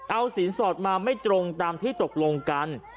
เอาสินสอดมาไม่ตรงตามที่ตกลงกัน